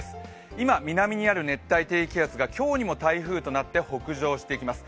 今、南にある熱帯低気圧が今日にも台風となって北上してきます。